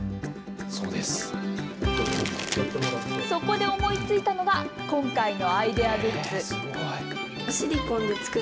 そこで思いついたのが今回のアイデアグッズ。